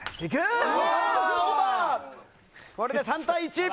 これで３対１！